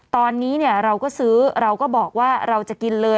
ตอนนี้เราก็ซื้อเราก็บอกว่าเราจะกินเลย